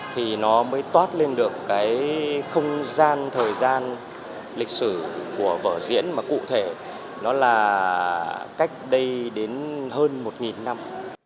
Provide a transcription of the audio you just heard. thì nó mới toát lên được cái không gian thời gian lịch sử của vở diễn mà cụ thể nó là cách đây đến hơn một năm